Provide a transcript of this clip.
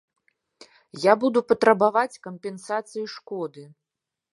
Я буду патрабаваць кампенсацыі шкоды.